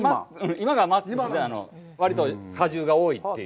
今がマックスで、割と果汁が多いっていう。